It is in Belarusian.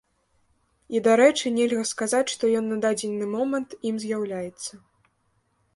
І, дарэчы, нельга сказаць, што ён на дадзены момант ім з'яўляецца.